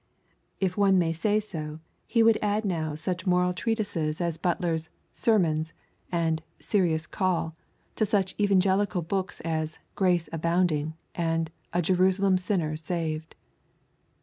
If one may say so, he would add now such moral treatises as Butler's Sermons and Serious Call to such evangelical books as Grace Abounding and A Jerusalem Sinner Saved.